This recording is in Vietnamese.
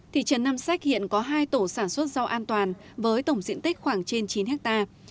thị trấn nam sách hiện có hai tổ sản xuất rau an toàn với tổng diện tích khoảng trên chín hectare